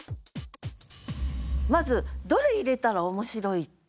まずどれ入れたら面白いか。